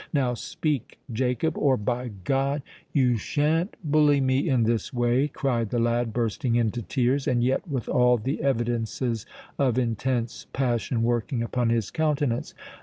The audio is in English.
"Now speak, Jacob—or, by God——" "You sha'n't bully me in this way," cried the lad, bursting into tears, and yet with all the evidences of intense passion working upon his countenance.